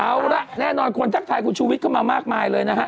เอาละแน่นอนคนทักทายคุณชูวิทย์เข้ามามากมายเลยนะฮะ